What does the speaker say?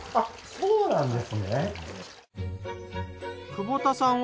そうなんです。